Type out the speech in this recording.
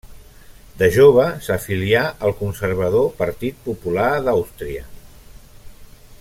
De jove s'afilià al conservador Partit Popular d'Àustria.